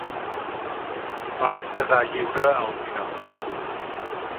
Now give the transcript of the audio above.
Va quedar lliure al final.